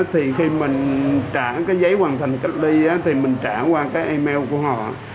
thì khi mình trả cái giấy hoàn thành cách ly thì mình trả qua cái email của họ